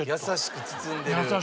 優しく包んでる？